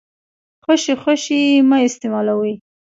خوشې خوشې يې مه استيمالوئ.